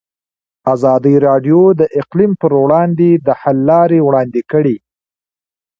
ازادي راډیو د اقلیم پر وړاندې د حل لارې وړاندې کړي.